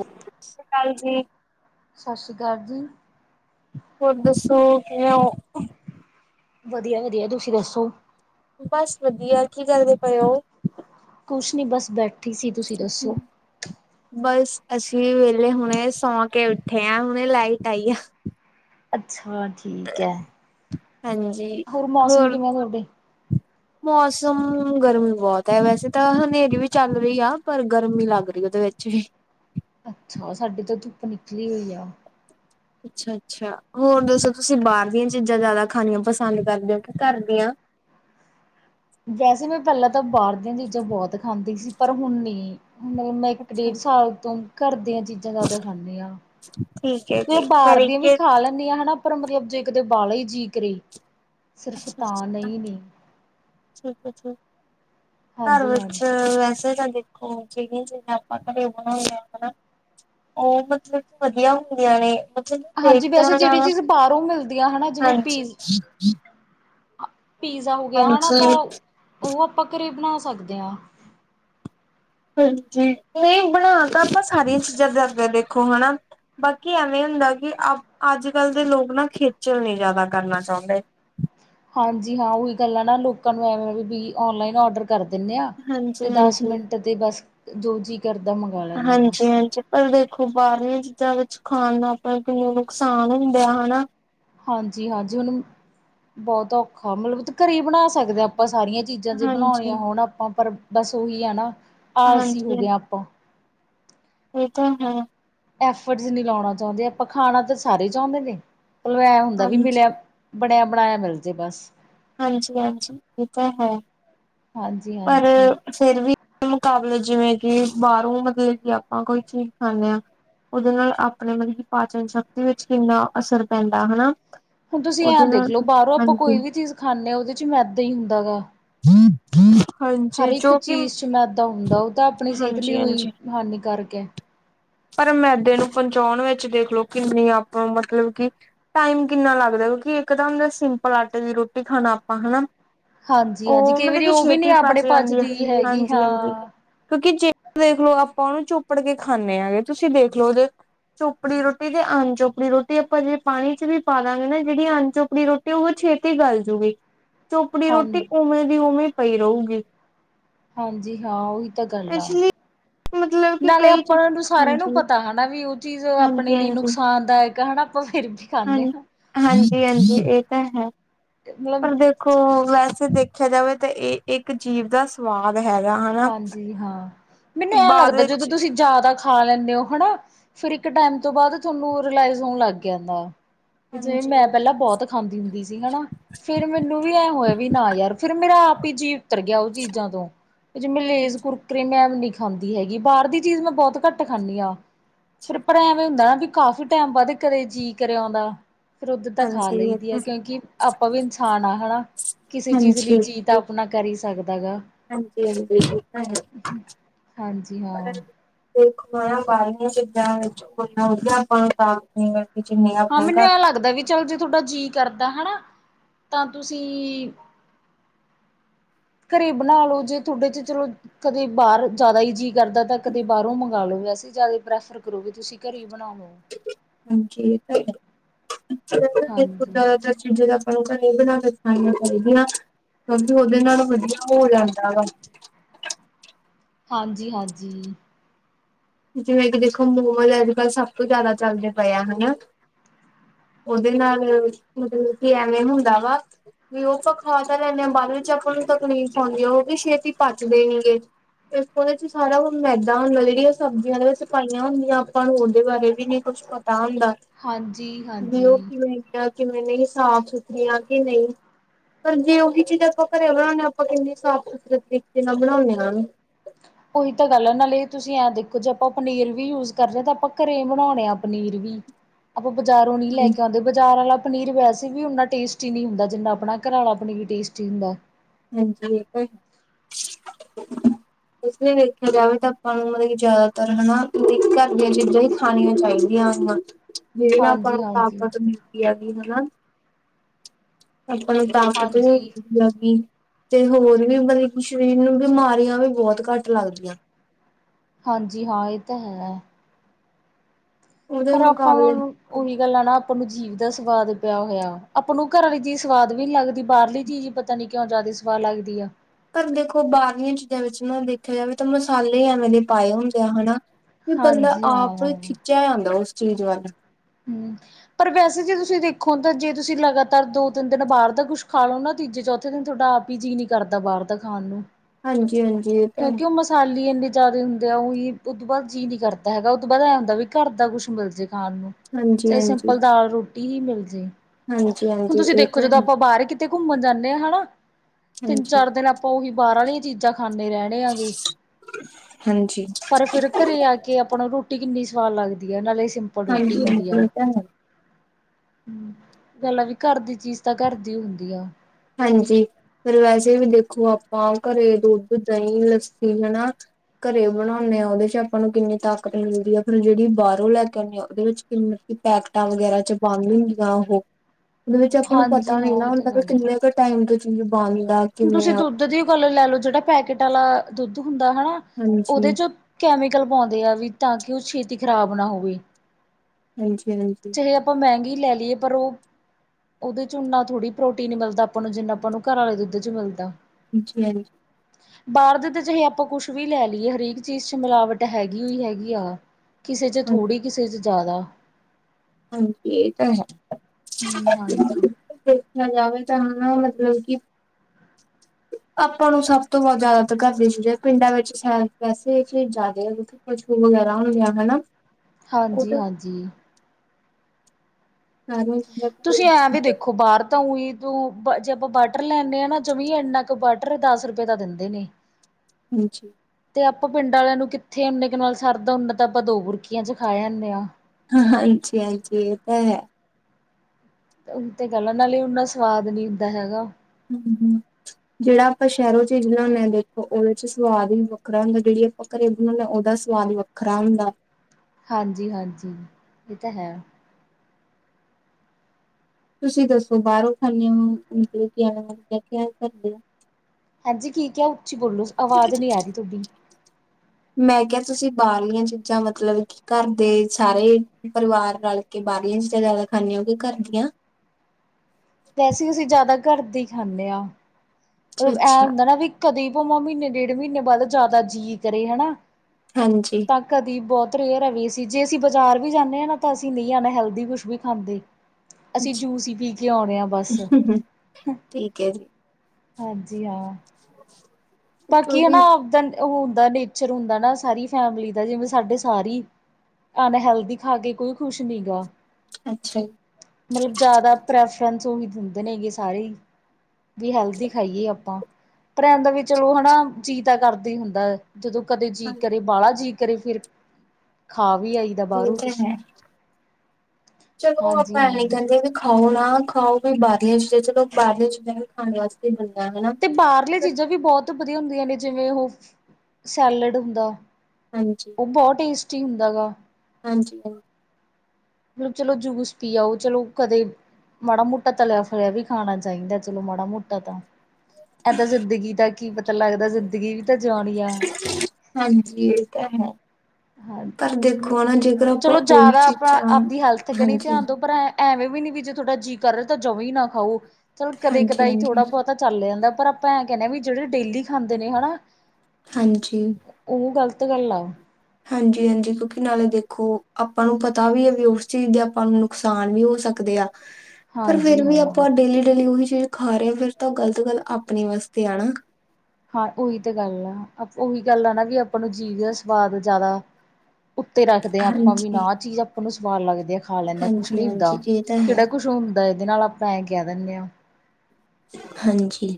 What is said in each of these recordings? ਸਤਿ ਸ੍ਰੀ ਅਕਾਲ ਜੀ। ਸਤਿ ਸ਼੍ਰੀ ਅਕਾਲ ਜੀ ਹੋਰ ਦਸੂ ਕਿਵੇਂ ਉਹ। ਵਧੀਆ- ਵਧੀਆ, ਤੁਸੀਂ ਦੱਸੋ। ਬਸ ਵਧੀਆ ਕੀ ਕਰਦੇ ਪਏ ਹੋ। ਕੁਛ ਨੀ ਬਸ ਬੈਠੀ ਸੀ ਤੁਸੀਂ ਦੱਸੋ। ਬਸ ਅਸੀਂ ਵੇਲੇ ਹੁਣੇ ਸੌਂ ਕੇ ਉਠੇ ਆ, ਹੁਣੇ ਲਾਈਟ ਆਈ ਆ। ਅੱਛਾ ਠੀਕ ਹੈ। ਹੋਰ ਮੌਸਮ ਕਿਵੇਂ ਤੁਹਾਡੇ। ਹ। ਮੌਸਮ ਗਰਮੀ ਬਹੁਤ ਹੈ, ਵੈਸੇ ਤਾਂ ਹਨੇਰੀ ਵੀ ਚੱਲ ਰਹੀ ਆ। ਪਰ ਗਰਮੀ ਲੱਗ ਰਹੀ ਉਹਦੇ ਵਿੱਚ ਵੀ। ਅੱਛਾ, ਸਾਡੀ ਤਾਂ ਧੁੱਪ ਨਿਕਲੀ ਹੋਈ ਆ। ਅੱਛਾ -ਅੱਛਾ, ਹੋਰ ਦੱਸੋ ਤੁਸੀਂ ਬਾਹਰ। ਬਾਹਰ ਦੀਆਂ ਚੀਜ਼ਾਂ ਜ਼ਿਆਦਾ ਖਾਣੀਆਂ ਪਸੰਦ ਕਰਦੇ ਹੋ ਕਿ ਘਰ ਦੀਆਂ। ਵੈਸੇ ਮੈਂ ਪਹਿਲਾਂ ਤਾਂ ਬਾਹਰ ਦੀਆਂ ਚੀਜ਼ਾਂ ਬਹੁਤ ਖਾਂਦੀ ਸੀ। ਪਰ ਹੁਣ ਨੀ। ਮਤਲਬ ਮੈਂ ਇੱਕ -ਡੇਢ ਸਾਲ ਤੋਂ ਘਰ ਦੀਆਂ ਚੀਜ਼ਾਂ ਜ਼ਿਆਦਾ ਖਾਂਦੀ ਹਾਂ। ਠੀਕ ਹੈ ਜੀ ਮਤਲਬ ਬਾਹਰ ਦੀਆਂ ਵੀ ਤਰੀਕੇ ਖਾ ਲੈਂਦੀ ਹਾਂ, ਹਨਾ। ਪਰ ਮਤਲਬ ਜੇ ਕਤੇ ਵਾਲਾ ਹੀ ਜੀ ਕਰੇ। ਸਿਰਫ ਤਾਂ ਨਹੀਂ -ਨਹੀਂ। ਠੀਕ ਹੈ ਠੀਕ ਘਰ ਹਾਂਜੀ ਵਿੱਚ ਹਾਂਜੀ ਵੈਸੇ ਤਾਂ। ਹੋ ਜ -ਜ ਆਪਾਂ ਕ ਬਣਾ ਹਨਣਾ। ਉਹ ਮਤਲਬ ਵਧੀਆ ਹੁੰਦੀਆਂ ਨੇ। ਠੀਕ ਵੈਸੇ ਹਾਂਜੀ। ਜਿਹੜੀ ਚੀਜ਼ ਬਾਹਰੋਂ ਮਿਲਦੀ ਆ ਹਨਾ ਜਿਵੇਂ ਪੀਜ਼ ਪੀਜ਼ਾ ਹੋ ਗਿਆ ਹਨਾ, ਤਾਂ ਹਾਂਜੀ, ਉਹ ਆਪਾਂ ਘਰੇ ਬਣਾ ਸਕਦੇ ਹਾਂ। ਹਾਂਜੀ। ਨਹੀਂ ਬਣਾ ਤਾਂ ਆਪਾਂ ਸਾਰੀਆਂ ਚੀਜ਼ਾਂ ਸਕਦੇ ਦੇਖੋ ਹਨਾ। ਬਾਕੀ ਐਵੇਂ ਹੁੰਦਾ ਕਿ ਅ ਅੱਜ ਕੱਲ ਦੇ ਲੋਕ ਨਾ ਖੇਚਲ ਨਹੀਂ ਜਿਆਦਾ ਕਰਨਾ ਚਾਹੁੰਦੇ। ਹਾਂਜੀ ਹਾਂ ਉਹੀ ਗੱਲ ਆ ਨਾ ਲੋਕਾਂ ਨੂੰ ਐਵੇਂ ਵੀ ਔਨਲਾਈਨ ਔਡਰ। ਕਰ ਦਿੰਨ ਆਂ, ਤੇ ਹਾਂਜੀ, ਦਸ ਹਾਂਜੀ। ਮਿੰਟ ਤੇ ਬਸ ਜੋ ਜੀ ਕਰਦਾ ਮੰਗਵਾ ਲੈਂਦੇ ਆਂ ਹਾਂਜੀ, ਬਸ। ਹਾਂਜੀ ਪਰ ਦੇਖੋ ਬਾਹਰਲੀਆਂ ਚੀਜ਼ਾਂ ਵਿੱਚ ਖਾਣ ਨੂੰ ਆਪਣਾ ਕਿਨੂੰ ਨੁਕਸਾਨ ਹੁੰਦਾ ਹਨਾ। ਹਾਂਜੀ -ਹਾਂਜੀ, ਹੁਣ ਬਹੁਤ ਔਖਾ ਮਤਲਬ ਘਰੇ ਹੀ ਬਣਾ ਸਕਦੇ ਹਾਂ ਆਪਾਂ ਸਾਰੀਆਂ ਚੀਜ਼ਾਂ। ਚੀਜ਼ਾਂ ਜੇ ਹਾਂਜੀ, ਬਣਾਉਣੀਆਂ ਹੋਣ ਆਪਾਂ ਪਰ ਬਸ ਉਹੀ ਹੈ ਨਾ ਆਲਸੀ ਹੋ ਹਾਂਜੀ ਗਿਆ ਆਪਾਂ। ਇਹ ਤਾਂ ਹੈ। ਐਫਡ ਨਹੀਂ ਲਾਉਣਾ ਚਾਹੁੰਦੇ ਆਪਾ, ਖਾਣਾ ਤਾਂ ਸਾਰੇ ਚਾਹੁੰਦੇ ਨੇ ਮਤਲਬ ਇਹ ਹੁੰਦਾ ਵੀ ਹਾਂਜੀ। ਮਿਲਿਆ ਬਣਿਆ ਬਣਾਇਆ ਮਿਲ ਜਾੇ ਬਸ। ਹਾਂਜੀ- ਹਾਂਜੀ। ਇਹ ਤਾਂ ਹੈ। ਹਾਂਜੀ ਪਰ। ਹਾਂਜੀ ਫਿਰ ਵੀ ਮੁਕਾਬਲੇ ਜਿਵੇਂ ਕਿ ਬਾਹਰੋਂ ਮਤਲਬ ਕਿ ਆਪਾਂ ਕੋਈ ਚੀਜ਼ ਖਾਂਦੇ ਹਾਂ। ਉਹਦੇ ਨਾਲ ਆਪਣੇ ਮਤਲਬ ਕਿ ਪਾਚਨ ਸ਼ਕਤੀ ਵਿੱਚ ਕਿੰਨਾ ਅਸਰ ਪੈਂਦਾ ਹੈਨਾ ਹੁਣ ਤੁਸੀਂ ਐ ਦੇਖ ਲੋ ਬਾਹਰੋਂ ਆਪਾਂ ਕੋਈ ਵੀ ਚੀਜ਼ ਖਾਂਦੇ ਹਾਂ, ਉਹਦੇ ਚ ਮੈਦਾ ਹੀ ਹੁੰਦਾ ਗਾ ਹਰ ਹਾਂਜੀ ਇੱਕ ਜੋ ਕਿ ਚੀਜ਼ ਚ ਮੈਦਾ ਹੁੰਦਾ, ਉਹ ਤਾਂ ਆਪਣੀ ਸਿਹਤ ਲਈ ਹਾਂਜੀ ਉਹੀ ਹਾਂਜੀ ਹਾਨੀਕਾਰਕ ਐ। ਪਰ ਮੈਦੇ ਨੂੰ ਪਹੁੰਚਾਉਣ ਵਿੱਚ ਦੇਖਲੋ ਕਿੰਨੀ ਆਪਾਂ ਮਤਲਬ ਕਿ ਟਾਈਮ ਕਿੰਨਾ ਲੱਗਦਾ ਕਿਉਂਕਿ ਇੱਕਦਮ ਸਿੰਪਲ ਆਟੇ ਦੀ ਰੋਟੀ ਖਾਣਾ ਆਪਾਂ ਹਨਾ ਹਾਂਜੀ ਹਾਂਜੀ ਉਹ ਕਈ ਮਤਲਬ ਵਾਰੀ ਕਿ ਉਹ ਵੀ ਨੀ ਛੇਤੀ ਆਪਣੇ ਪਾਚ ਜਾਂਦੀ ਆ। ਪਚਦੀ ਹੈਗੀ ਹਾਂਜੀ ਹਾਂਜੀ ਹਾਂ ਕਿਉਂਕਿ ਜੇ ਦੇਖਲੋ ਆਪਾਂ ਉਹਨੂੰ ਚੁੱਪੜ ਕੇ ਖਾਂਦੇ ਆਂਗੇ ਤੁਸੀਂ ਦੇਖਲੋ ਉਹਦੇ ਚੋਪੜੀ ਰੋਟੀ ਤੇ ਅੰਨ ਚੋਪੀ ਰੋਟੀ ਆਪਾਂ ਜੇ ਪਾਣੀ ਚ ਵੀ ਪਾ ਦਾਂਗੇ ਨਾ ਜਿਹੜੀ ਅੰਨ ਚੋਪੀ ਰੋਟੀ ਤੇਊ ਛੇਤੀ ਗੱਲ ਜੂਗੀ ਚੋਪੜੀ ਹਾਂ ਰੋਟੀ ਉਵੇਂ ਦੀ ਉਵੇਂ ਪਈ ਰਹੇਗੀ ਹਾਂਜੀ ਹਾਂ ਉਹੀ ਤਾਂ ਗੱਲ ਆ। ਇਸ ਲਈ ਮਤਲਬ ਕਿ ਨਾਲੇ ਕਈ ਚੀਜ਼ ਆਪਾਂ ਨੂੰ ਸਾਰਿਆਂ ਨੂੰ ਹਾਂਜੀ ਪਤਾ ਹਨਾ। ਵੀ ਉਹ ਚੀਜ਼ ਹਾਂਜੀ ਆਪਣੇ ਲਈ ਹਾਂਜੀ ਨੁਕਸਾਨਦਾਇਕ ਹਨਾ ਆਪਾਂ ਫਿਰ ਵੀ ਖਾਂਦੇ ਹਾਂ ਹਾਂਜੀ-ਹਾਂਜੀ ਇਹ ਤਾ ਹੈ। ਮਤਲਬ ਪਰ ਦੇਖੋ ਵੈਸੇ ਦੇਖਿਆ ਜਾਵੇ ਤਾਂ ਇਹ ਇੱਕ ਜੀਵ ਦਾ ਸਵਾਦ ਹੈਗਾ ਹਨਾ। ਹਾਂਜੀ ਹਾਂ ਤੇ ਮੈਨੂੰ ਐਂ ਬਾਅਦ ਲੱਗਦਾ ਜਦੋਂ ਵਿੱਚ ਤੁਸੀਂ ਜਾਦਾ ਖਾ ਲੈਂਦੇ ਹੋ ਹਨਾ। ਫਿਰ ਇੱਕ ਟਾਈਮ ਤੋਂ ਬਾਅਦ ਤੁਹਾਨੂੰ ਰਿਲਾਇਜ਼ ਹੋਣ ਲੱਗ ਜਾਂਦਾ ਵੀ ਜਿ ਹਾਂਜੀ ਮੈਂ ਪੈਲਾਂ ਬੋਤ ਖਾਂਦੀ ਹੁੰਦੀ ਸੀ ਹਨਾ। ਫਿਰ ਮੈਨੂੰ ਵੀ ਐਂ ਹੋਇਆ ਵੀ ਨਾ ਯਾਰ ਫਿਰ ਮੇਰਾ ਆਪ ਹੀ ਜੀਅ ਉਤਰ ਗਿਆ ਓ ਚੀਜ਼ਾਂ ਤੋਂ ਜਿ ਮਲੇਜ ਹਾਂਜੀ ਕੁਰਕਰੇ ਮੈਂ ਨੀ ਖਾਂਦੀ ਹੈਗੀ ਬਾਰ ਦੀ ਚੀਜ਼ ਮੈਂ ਬਹੁਤ ਘੱਟ ਖਾਂਦੀ ਹਾਂ। ਫਿਰ ਪਰ ਐਵੇਂ ਹੁੰਦਾ ਨਾ ਵੀ ਕਾਫੀ ਟਾਈਮ ਵੱਧ ਕਦੇ ਜੀਅ ਕਰ ਆਉਂਦਾ। ਫਿਰ ਉਧ ਤਾਂ ਖਾ ਹਾਂਜੀ ਲਈ ਦੀ ਆ ਹਾਂਜੀ ਕਿਉਂਕਿ ਆਪਾਂ ਵੀ ਇਨਸਾਨ ਹ ਹਨਾ ਕਿਸੇ ਚੀਜ਼ ਲਈ ਹਾਂਜੀ ਜੀ ਤਾ ਆਪਣਾ ਕਰੀ ਸਕਦਾ ਗਾ। ਹਾਂਜੀ-ਹਾਂਜੀ ਬਿਲਕੁਲ ਹਾਂਜੀ ਹਾਂ। [inaudible] ਹਾਂ ਆਪਣੇ ਮੈਨੂੰ ਘਰ ਇਹ ਲੱਗਦਾ ਵੀ ਚ ਚੱਲ ਜੇ ਤੁਹਾਡਾ ਜੀਅ ਕਰਦਾ ਹਨਾ ਤਾਂ ਤੁਸੀਂ ਘਰੇ ਬਣਾ ਲੋ ਜੇ ਤੁਹਾਡੇ 'ਚ ਚਲੋ ਕਦੇ ਬਾਹਰ ਜਾਦਾ ਹੀ ਜੀਅ ਕਰਦਾ ਤਾਂ ਕਦੇ ਬਾਰੋਂ ਮੰ ਲੋ ਵੈਸੀਂ ਜਾਦਾ ਪ੍ਰੈਫਰ ਕਰੋ ਵੀ ਤੁਸੀਂ ਘਰੇ ਹੀ ਬਣਾ ਲੋ। [inaudible] ਪਰ ਹਾਂਜੀ, ਓ ਤਾਂ ਇਹ ਬਣਾ ਕੇ ਸਿਖਾਈਆਂ ਚਾਹੀਦੀਆਂ ਕਿਉਂਕਿ ਉਹਦੇ ਨਾਲ ਵਧੀਆ ਹੋ ਜਾਂਦਾ ਵਾ। ਹਾਂਜੀ-ਹਾਂਜੀ ਜਿਵੇਂ ਕਿ ਦੇਖੋ ਮੋਲ ਅੱਜ ਕੱਲ੍ਹ ਸਭ ਤੋਂ ਜਾਦਾ ਚੱਲਦੇ ਪਏ ਆ ਹਨਾ। ਉਹਦੇ ਨਾਲ ਮਤਲਬ ਕਿ ਐਂਵੇ ਹੁੰਦਾ ਵਾ। ਵੀ ਓ ਅਪਾ ਖਾ ਤਾਂ ਲੈਂਨਦੇ ਆਂ ਬਾਦ ਵਿੱਚ ਆਪਾਂ ਨੂੰ ਤਕਲੀਫ਼ ਆਉਂਦੀ ਹੈ ਓ ਵੀ ਛੇਤੀ ਪਚਦੇ ਨੀ ਗੇ। ਤੇ ਉਹਦੇ 'ਚ ਸਾਰਾ ਕੁ ਮੈਦਾ ਹੁੰਦਾ ਜਿਹੜੀ ਓ ਸਬਜ਼ੀਆਂ ਦੇ ਵਿੱਚ ਪਾਈਆਂ ਹੁੰਦੀਆਂ ਆਪਾਂ ਨੂੰ ਉਹਦੇ ਬਾਰੇ ਵੀ ਨਈ ਕੁੱਛ ਪਤਾ ਹੁੰਦਾ। ਹਾਂਜੀ, ਵੀ ਓ ਹਾਂਜੀ। ਕਿਵੇਂ ਦੀ ਕਿਵੇਂ ਨਹੀਂ ਸਾਫ ਸੁਥਰੀਆਂ ਕਿ ਨਈ ਪਰ ਜੇ ਉਹੀ ਚੀਜ਼ ਆਪਾਂ ਘਰੇ ਬਣਾਣੇ ਹਾਂ ਆਪਾਂ ਕਿੰਨੀ ਸਾਫ਼ ਸੁਥਰੇ ਤਰੀਕੇ ਨਾਲ ਬਣਾਉਣੇ ਹਨ। ਉਹੀ ਤਾਂ ਗੱਲ ਹੈ ਨਾਲੇ ਤੁਸੀਂ ਐਂ ਦੇਖੋ ਜੇ ਆਪਾਂ ਪਨੀਰ ਵੀ ਯੂਜ ਕਰ ਰਏ ਤਾਂ ਆਪਾਂ ਘਰੇ ਬਣਾਉਣੇ ਆ ਪਨੀਰ ਵੀ [unintelligible] ਆਪਾਂ ਬਾਜ਼ਾਰੋਂ ਨੀ ਲੈ ਕੇ ਆਉਂਦੇ। ਬਾਜ਼ਾਰ ਵਾਲਾ ਪਨੀਰ ਵੈਸੇ ਵੀ ਉਨਾ ਟੇਸਟੀ ਨਈ ਹੁੰਦਾ ਜਿੰਨਾ ਆਪਣਾ ਘਰ ਆਲਾ ਪਨੀਰ ਟੇਸਟੀ ਹੁੰਦਾ। [inaudible] ਇਸ ਲਈ ਦੇੇਖਿਆ ਜਾਵੇ ਤਾਂ ਆਪਾਂ ਨੂੰ ਮਤਲਬ ਕਿ ਜਾਦਾਤਰ ਹਨਾ ਘਰ ਦੀਆਂ ਚੀਜ਼ਾਂ ਹੀ ਖਾਣੀਆਂ ਚਾਹੀਦੀਆਂ ਹਨ। ਹਾਂਜੀ, ਹਾਂਜੀ, ਹਾਂਜੀ, [inaudible] [inaudible] ਤੇ ਹੋਰ ਵੀ ਮਤਲਬ ਸਰੀਰ ਨੂੰ ਬਿਮਾਰੀਆਂ ਵੀ ਬਹੁਤ ਘੱਟ ਲੱਗਦੀਆਂ। ਹਾਂਜੀ ਹਾਂ ਇਹ ਤਾ ਹੈ। ਉਹਦੇ ਪਰ ਆਪਾਂ ਓ ਮੁਕਾਬਲੇ ਨੂੰ ਉਹੀ ਗੱਲਾਂ ਨਾ ਆਪਾਂ ਨੂੰ ਜੀਵ ਦਾ ਸਵਾਦ ਪਿਆ ਹੋਇਆ ਆਪਾਂ ਨੂੰ ਘਰਾਂ ਦੀ ਸਵਾਦ ਵੀ ਨੀ ਲੱਗਦੀ ਬਾਰਲੀ ਚੀਜ਼ ਪਤਾ ਨੀ ਕਿਉਂ ਜਾਦੀ ਸਵਾਦ ਲੱਗਦੀ ਆ। ਪਰ ਦੇਖੋ ਬਾਰਲੀਆਂ ਚੀਜ਼ਾਂ ਵਿੱਚ ਨਾ ਦੇਖਿਆ ਜਾਵੇ ਤਾਂ ਮਸਾਲੇ ਐਵੇਂ ਦੇ ਪਾਏ ਹੁੰਦੇ ਆ ਹਨਾ। ਵੀ ਬੰਦਾ ਹਾਂਜੀ ਆਪ ਹਾਂ। ਖਿੱਚਿਆ ਜਾਂਂਦਾ ਉਸ ਚੀਜ਼ ਵੱਲ ਹੂੰ ਪਰ ਵੈਸੇ ਜੇ ਤੁਸੀਂ ਦੇਖੋ ਤਾਂ ਜੇ ਤੁਸੀਂ ਲਗਾਤਾਰ ਦੋ ਤਿੰਨ ਦਿਨ ਬਾਰ ਦਾ ਕੁੱਛ ਖਾ ਲੋ ਨਾ ਤੀਜੇ ਚੌਥੇ ਦਿਨ ਤੁਹਾਡਾ ਜੀਅ ਨਈ ਕਰਦਾ ਬਾਰ ਦਾ ਖਾਣ ਨੂੰ ਹਾਂਜੀ-ਹਾਂਜੀ ਇਹ ਤਾ ਹੈ। ਖਾਲੀ ਇੰਨੇ ਜ਼ਿਆਦਾ ਹੁੰਦੇ ਆ, ਉਹੀ ਉਹ ਤੋਂ ਬਾਅਦ ਜੀਅ ਨੀ ਕਰਦਾ ਹੈਗਾ, ਉਹਦ ਤੋਂ ਬਾਅਦ ਐ ਹੁੰਦਾ ਵੀ ਘਰਦਾ ਕੁੱਛ ਮਿਲ ਜੇ ਖਾਣ ਨੂੰ। ਹਾਂਜੀ ਚ' ਹਾਂਜੀ ਸਿੰਪਲ ਦਾਲ ਰੋਟੀ ਹੀ ਮਿਲ ਜੇ। ਹਾਂਜੀ ਹੁਣ, ਹਾਂਜੀ ਤੁਸੀਂ ਇਹ ਦੇਖੋ ਤਾਂ ਜਦੋਂ ਹੈ ਆਪਾਂ ਬਾਹਰ ਕਿਤੇ ਘੁੰਮਣ ਜਾਂਦੇ ਹਾਂ, ਹਨਾ? ਤਿੰਨ ਹਾਂਜੀ ਚਾਰ ਦਿਨ ਆਪ ਉਹੀ ਬਾਹਰ ਵਾਲੀਆਂ ਚੀਜ਼ਾਂ ਖਾਂਦੇ ਰਹਿਣੇ ਆ ਗੇ। ਹਾਂਜੀ ਪਰ ਫਿਰ ਘਰੇ ਆ ਕੇ ਆਪਾਂ ਨੂੰ ਰੋਟੀ ਕਿੰਨੀ ਸਵਾਦ ਲੱਗਦੀ ਹੈ। ਨਾਲੇ ਸਿ ਹਾਂਜੀ-ਹਾਂਜੀ ਇਹ ਤਾਂ ਹੈ। ਗੱਲ ਆ ਵੀ ਘਰ ਦੀ ਚੀਜ਼ ਤਾਂ ਘਰ ਦੀ ਹੁੰਦੀ ਆ। ਹਾਂਜੀ। ਫਿਰ ਵੈਸੇ ਵੀ ਦੇਖੋ ਆਪਾਂ ਘਰੇ ਦੁੱਧ, ਦਹੀਂ, ਲੱਸੀ ਹਨਾ। ਘਰੇ ਬਣਾਉਂਦੇ ਆ ਉਹਦੇ ਚ' ਆਪਾਂ ਨੂੰ ਕਿੰਨੀ ਤਾਕਤ ਮਿਲਦੀ ਹੈ, ਫਿਰ ਜਿਹੜੀ ਬਾਹਰੋਂ ਲੈ ਕੇ ਆਉਂਦੇ ਆ ਉਹਦੇ ਵਿੱਚ ਕਿੰਨੀ ਪੈਕਟਾਂ ਵਗੈਰਾ ਚ' ਬੰਦ ਹੁੰਦੀਆਂ ਉਹ, ਉਹਦੇ ਵਿੱਚ ਆਪਾਂ ਨੂੰ ਪਤਾ ਹਾਂਜੀ ਹਾਂ ਨਹੀਂ ਨਾ ਉਹ ਤਾਂ ਹੁੰਦਾ [inaudible] ਗੱਲ ਮੇਰੇ ਕੋਲ ਟਾਈਮ ਤੋਂ ਚੀ ਬਣਦਾ। ਹੁਣ ਕਿਵੇਂ ਤੁਸੀਂ ਆ ਦੁੱਧ ਦੀ ਗੱਲ ਲੈ ਲਓ, ਜਿਹੜਾ ਪੈਕੇਟ ਵਾਲਾ ਦੁੱਧ ਹੁੰਦਾ ਹਨਾ। ਹਾਂਜੀ ਉਹਦੇ ਚ' ਕੈਮੀਕਲ ਪਾਉਂਦੇ ਆ, ਵੀ ਤਾਂ ਕਿ ਉਹ ਛੇਤੀ ਖ਼ਰਾਬ ਨਾ ਹੋਵੇ। ਹਾਂਜੀ-ਹਾਂਜੀ। ਚਾਹੇ ਆਪਾਂ ਮਹਿੰਗੀ ਲੈ ਲਈਏ, ਪਰ ਉਹ ਉਹਦੇ ਚ' ਨਾ ਥੋੜ੍ਹੀ ਪ੍ਰੋਟੀਨ ਮਿਲਦਾ, ਆਪਾਂ ਨੂੰ ਜਿੰਨਾ ਆਪਾਂ ਨੂੰ ਘਰਾਂ ਦੁੱਧ ਚ' ਮਿਲਦਾ। ਜ [inaudible] ਬਾਹਰ ਦੇ ਤਾਂ ਚੇ' ਆਪਾਂ ਕੁਛ ਵੀ ਲੈ ਲਈਏ, ਹਰੇਕ ਚੀਜ਼ ਚ ਮਿਲਾਵਟ ਹੈਗੀ ਹੋਈ ਹੈਗੀ ਆ। ਕਿਸੇ ਚ' ਥੋੜੀ, ਕਿਸੇ ਚ' ਜ਼ਿਆਦਾ। ਹਾਂਜੀ। ਇਹ ਤਾਂ ਹੈ। ਹਮ, ਹਾਂਜੀ। ਦੇਖਿਆ ਜਾਵੇ ਤਾਂ ਹਨਾ ਮਤਲਬ ਕਿ ਆਪਾਂ ਨੂੰ ਸਭ ਤੋਂ ਬਹੁਤ ਜ਼ਿਆਦਾ ਤਾਂ ਕਰਦੀ ਚ' ਪਿੰਡਾਂ ਵਿੱਚ ਸ ਵੈਸੇ ਇਹ ਚੀਜ਼ ਜ਼ਿਆਦਾ ਆ। [unintelligible] ਵਗੈਰਾ ਹੋ ਗਿਆ ਹਨਾ? ਉਹ ਤਾਂ ਹਾਂਜੀ-ਹਾਂਜੀ। ਸਾਰੇ ਤੁਸੀਂ ਐਂ ਵੀ ਦੇ ਖੋ ਬਾਹਰ ਤਾਂ ਈ ਤੂੰ ਜੇ ਆਪਾਂ ਬਟਰ ਲੈਂਦੇ ਹਾਂ, ਨਾ ਜਮੀ ਇੰਨਾ ਕੁ ਬਟਰ ਦਸ ਰੁਪਏ ਦਾ ਦਿੰਦੇ ਨੇ। ਹਾਂਜੀ। ਤੇ ਆਪਾਂ ਪਿੰਡ ਵਾਲਿਆਂ ਨੂੰ ਕਿੱਥੇ ਉ ਨਾਲ ਸਰਦਾ ਨਾ ਤਾਂ ਆਪਾਂ ਦੋ ਬੁਰਕੀਆਂ ਚ' ਖਾ ਜਾਂਦੇ ਹਾਂ। ਹਾਹਾ, ਹਾਂਜੀ-ਹਾਂਜੀ ਇਹ ਤਾਂ ਹੈ। ਉਹ ਤੇ ਗੱਲਾਂ ਆ, ਨਾਲੇ ਓਨਾਂ ਸਵਾਦ ਨੀ ਹੁੰਦਾ ਹੈਗਾ। ਹਮ-ਹਮ, ਜਿਹੜਾ ਆਪਾਂ ਸ਼ਹਿਰੋਂ ਚੀਜ਼ ਲਿਆਉਦੇ ਹਾਂ, ਦੇਖੋ ਉਹਦੇ ਚ ਸਵਾਦ ਵੀ ਵੱਖਰਾ ਹੁੰਦਾ ਜਿਹੜੀ ਆ ਉਹ [inaudible] ਉਹਦਾ ਸਵਾਦ ਵੱਖਰਾ ਹੁੰਦਾ। ਹਾਂਜੀ-ਹਾਂਜੀ, ਇਹ ਤਾਂ ਹੈ। ਤੁਸੀਂ ਦੱਸੋ ਬਾਹਰੋਂ [unintelligible] ਹਾਂਜੀ ਕੀ ਕਿਹਾ? ਉੱਚੀ ਬੋਲੋ, ਆਵਾਜ਼ ਨੀ ਆ ਰਹੀ ਤੁਹਾਡੀ। ਮੈਂ ਕਿਹਾ ਤੁਸੀਂ ਬਾਹਰਲੀਆਂ ਚੀਜ਼ਾਂ ਮਤਲਬ ਕੀ ਘਰ ਦੇ ਸਾਰੇ ਪਰਿਵਾਰ ਰਲ ਕੇ ਬਾਹਰੀਆਂ ਚੀਜ਼ਾਂ ਜਿਆਦਾ ਖਾਂਆਂ ਹੋ ਕੇ ਘਰ ਦੀਆਂ? ਵੈਸੇ ਅਸੀਂ ਜਿਆਦਾ ਘਰ ਦੀ ਹੀ ਖਾਂਦੇ ਹਾਂ। ਅੱਛਾ ਮਤਲਬ, ਇਹ ਅੱਛਾ। ਹੁੰਦਾ ਨਾ ਵੀ ਕਦੇ ਭਾਵਾਂ ਮਹੀਨੇ ਡੇਢ ਮਹੀਨੇ ਬਾਅਦ ਜ਼ਿਆਦਾ ਜੀਅ ਕਰੇ ਹਨਾ। ਹਾਂਜੀ। ਤਾਂ ਕਦੀ ਬਹੁਤ ਰੇਅਰ ਆ ਵੀ ਅਸੀ ਜੇ ਅਸੀਂ ਬਾਜ਼ਾਰ ਵੀ ਜਾਂਦੇ ਹਾਂ ਨਾ ਤਾਂ ਅਸੀਂ ਨੀ ਅਨਹੈਲਦੀ ਕੁਛ ਵੀ ਖਾਂਦੇ। ਅਸੀਂ ਜੂਸ ਹੀ ਪੀ ਕੇ ਆਉਣੇ ਆਂ ਬਸ। ਠੀਕ ਹੈ ਜੀ। ਹਾਂਜੀ ਹਾਂ। ਫਰੂਟਸ। ਬਾਕੀ ਹਨਾ ਆਪਦਾ, ਉਹ ਹੁੰਦਾ ਨੇਚਰ ਹੁੰਦਾ ਨਾ, ਸਾਰੀ ਫੈਮਲੀ ਦਾ, ਜਿਵੇਂ ਸਾਡੇ ਸਾਰੀ। ਅਣ ਹੈਲਦੀ ਖਾ ਕੇ ਕੋਈ ਖੁਸ਼ ਨੀ ਗਾ। ਅੱਛਾ ਜੀ। ਮਤਲਬ ਜ਼ਿਆਦਾ ਪ੍ਰੈਫਰੈਂਸ ਉਹੀ ਦਿੰਦੇ ਨੇ ਗੇ ਸਾਰੇ ਹੀ। ਵੀ ਹੈਲਦੀ ਖਾਈਏ ਆਪਾਂ, ਪਰ ਇਹ ਹੁੰਦਾ ਵੀ ਚਲੋ ਹਨਾ ਜੀ ਤਾਂ ਕਰਦੇ ਹੀ ਹੁੰਦਾ। ਜਦੋਂ ਕਦੇ ਜੀਅ ਹਾਂਜੀ ਕਰੇ, ਬਾਹਲਾ ਜੀਅ ਕਰੇ ਫਿਰ ਖਾ ਵੀ ਆਈਦਾ। ਇਹ ਤੇ ਹੈ ਚਲੋ ਹਾਂਜੀ ਆਪਾਂ ਐ ਹਾਂ ਨਹੀਂ ਕਹਿੰਦੇ ਵੀ। ਖਾਓ ਨਾ ਖਾਓ ਵੀ ਬਾਹਰਲੀਆਂ ਚੀਜ਼ਾਂ ਚਲੋ ਬਾਹਰਲੀਆਂ ਚੀਜ਼ਾਂ ਵੀ ਖਾਣ ਵਾਸਤੇ ਬਣਿਆ ਨੇ ਨਾ। ਨਹੀਂ ਬਾਹਰਲੀਆਂ ਚੀਜ਼ਾਂ ਵੀ ਬਹੁਤ ਵਧੀਆ ਹੁੰਦੀਆਂ ਨੇ, ਜਿਵੇਂ ਉਹ ਸੈਲਡ ਹੁੰਦਾ। ਹਾਂਜੀ। ਉਹ ਬਹੁਤ ਟੇਸਟੀ ਹੁੰਦਾ ਗਾ। ਹਾਂਜੀ ਹਾਂਜੀ। ਮਤਲਬ ਚਲੋ ਜੂਸ ਪੀ ਆਓ। ਚਲੋ ਕਦੇ। ਮਾੜਾ ਮੋਟਾ ਤਲਿਆ ਫਲਿਆ ਵੀ ਖਾਣਾ ਚਾਹੀਦਾ, ਚਲੋ ਮਾੜਾ ਮੋਟਾ ਤਾਂ। ਇਹ ਤਾਂ ਜ਼ਿੰਦਗੀ ਦਾ ਕੀ ਪਤਾ ਲੱਗਦਾ, ਜ਼ਿੰਦਗੀ ਵੀ ਤਾਂ ਜਿਉਣੀ ਆਂ। ਹਾਂਜੀ ਇਹ ਤਾਂ ਹੈ। ਪਰ ਹਾਂਜੀ ਦੇਖੋ ਨਾ ਜੇਕਰ ਆਪਾਂ ਚਲੋ ਉਹੀ ਜ਼ਿਆਦਾ ਆਪਣਾ ਚੀਜ਼ਾਂ ਆਪਦੀ ਹੈਲਥ ਵੱਲ ਹਾਂਜੀ ਧਿਆਨ ਦਿਓ ਪਰ। ਐਵੇਂ ਵੀ ਨੀ ਵੀ ਜੇ ਥੋੜਾ ਜੀਅ ਕਰ ਰਿਹਾ ਤਾਂ ਜਮਾਂ ਹੀ ਨਾ ਖਾਓ ਚਲੋ ਕਦੇ ਹਾਂਜੀ ਕਦਾਈ ਹਾਂਜੀ ਥੋੜਾ ਬਹੁਤਾ। ਚੱਲ ਜਾਂਦਾ, ਪਰ ਆਪਾਂ ਐ ਕਹਿੰਦੇ ਹਾਂ ਵੀ, ਜਿਹੜੇ ਡੇਲੀ ਖਾਂਦੇ ਨੇ ਹਨਾ। ਹਾਂਜੀ ਉਹ ਗ਼ਲਤ ਗੱਲ ਆ। ਹਾਂਜੀ ਹਾਂਜੀ ਕਿਉਂਕਿ ਨਾਲੇ ਦੇਖੋ ਆਪਾਂ ਨੂੰ ਪਤਾ ਵੀ ਹੈ, ਵੀ ਉਸ ਚੀਜ਼ ਦੇ ਆਪਾਂ ਨੂੰ ਨੁਕਸਾਨ ਵੀ ਹੋ ਸਕਦੇ ਆ। ਹੂੰ। ਪਰ ਫੇਰ ਹਾਂਜੀ ਹਾਂ। ਵੀ ਆਪਾਂ ਡੇਲੀ ਡੇਲੀ ਉਹੀ ਚੀਜ਼ ਖਾ ਰਹੇ ਹਾਂ। ਫਿਰ ਤਾਂ ਉਹ ਗ਼ਲਤ ਗੱਲ ਆਪਣੇ ਵਾਸਤੇ ਆ ਨਾ। ਹਾਂ ਉਹੀ ਤੇ ਗੱਲ ਆ, ਉਹੀ ਗੱਲ ਆ ਨਾ ਵੀ ਆਪਾਂ ਨੂੰ ਜੀਭ ਦਾ ਸਵਾਦ ਜ਼ਿਆਦਾ। ਉੱਤੇ ਰੱਖਦੇ ਹਾਂ ਆਪਾਂ ਵੀ ਨਾ ਹਾਂਜੀ, ਆਹ ਚੀਜ਼ ਆਪਾਂ ਨੂੰ ਸਵਾਦ ਲੱਗਦੇ ਆ। ਖਾ ਲੈਂਦੇ ਹਾਂ ਕੁੱਛ ਨੀ ਹਾਂਜੀ-ਹਾਂਜੀ ਹੁੰਦਾ, ਇਹ ਤਾਂ ਹੈ, ਕਿਹੜਾ ਕੁੱਛ ਹੁੰਦਾ ਇਹਦੇ ਨਾਲ, ਆਪਾਂ ਐਂ ਕਹਿ ਦਿੰਦੇ ਹਾਂ। ਹਾਂਜੀ।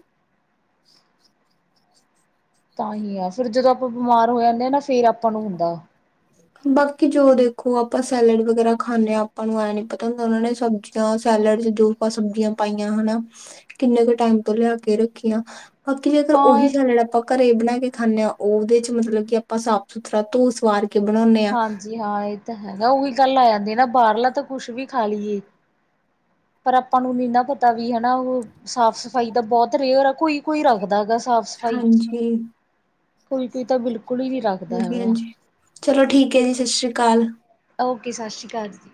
ਤਾਂ ਹੀ ਆ ਫਿਰ ਜਦੋਂ ਆਪਾਂ ਬਿਮਾਰ ਹੋ ਜਾਂਦੇ ਆਂ ਨਾ ਫੇਰ ਆਪਾਂ ਨੂੰ ਹੁੰਦਾ। ਬਾਕੀ ਜੋ ਦੇਖੋ ਆਪਾਂ ਸੈਲਡ ਵਗੈਰਾ ਖਾਂਦੇ ਹਾਂ, ਆਪਾਂ ਨੂੰ ਐ ਨੀ ਪਤਾ ਹੁੰਦਾ ਉਹਨਾਂ ਨੇ ਸਬਜ਼ੀ। ਜਾਂ ਸੈਲਡ 'ਚ ਜੋ ਆਪਾਂ ਸਬਜ਼ੀਆਂ ਪਾਈਆਂ ਹਨਾ, ਕਿੰਨੇ ਕੁ ਟਾਈਮ ਤੋਂ ਲਿਆ ਕੇ ਰੱਖੀਆਂ। ਅੱਗੇ ਅਗਰ ਹਾਂ ਉਹੀ ਇਹ ਸ਼ੈਲਡ ਆਪਾਂ। ਘਰੇ ਬਣਾ ਕੇ ਖਾਂਦੇ ਹਾਂ। ਉਹਦੇ 'ਚ ਮਤਲਬ ਕਿ ਆਪਾਂ ਸਾਫ਼ ਸੁਥਰਾ ਧੋ ਸਵਾਰ ਕੇ ਬਣਾਉਂਦੇ ਹਾਂ। ਜੀ ਹਾਂ। ਇਹ ਤਾਂ ਹੈਗਾ ਉਹੀ ਗੱਲ ਆ ਜਾਂਦੀ ਨਾ ਬਾਹਰਲਾ ਤਾਂ ਕੁਛ ਵੀ ਖਾ ਲਈਏ। ਪਰ ਆਪਾਂ ਨੂੰ ਨਹੀਂ ਨਾ ਪਤਾ ਵੀ ਹਨਾ ਉਹ ਸਾਫ਼ ਸਫ਼ਾਈ ਦਾ ਬਹੁਤ ਰੇਅਰ ਹੈ। ਕੋਈ ਕੋਈ ਰੱਖਦਾ ਗਾ ਸਾਫ਼। ਸਫ਼ਾਈ ਹਾਂਜੀ, ਕੋਈ ਕੋਈ ਤਾਂ ਬਿਲਕੁਲ ਹੀ ਨਹੀਂ ਰੱਖਦਾ। ਹੈਗਾ। ਹਾਂਜੀ ਚਲੋ ਠੀਕ ਹੈ ਜੀ। ਸਤਿ ਸ਼੍ਰੀ ਅਕਾਲ। ਓਕੇ ਸਤਿ ਸ਼੍ਰੀ ਅਕਾਲ ਜੀ।